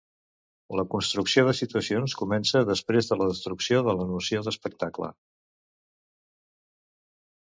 La construcció de situacions comença després de la destrucció de la noció d'espectacle.